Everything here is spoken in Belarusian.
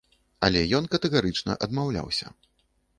Але ён катэгарычна адмаўляўся.